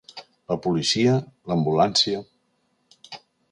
La policia, l'ambulància.